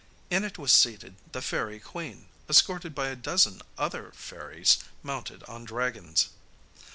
In it was seated the fairy queen, escorted by a dozen other fairies mounted on dragons.